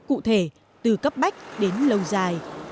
cụ thể từ cấp bách đến lâu dài